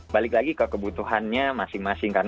balik lagi ke kebutuhannya masing masing